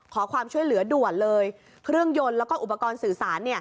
ขอความช่วยเหลือด่วนเลยเครื่องยนต์แล้วก็อุปกรณ์สื่อสาร